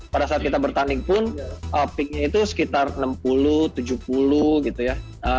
pada saat kita bertanding pun peaknya itu sekitar enam puluh tujuh puluh gitu ya